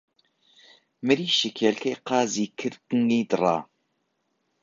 مریشک هێلکهی قازی کرد قنگی دڕا